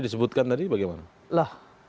disebutkan tadi bagaimana